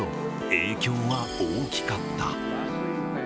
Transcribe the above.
影響は大きかった。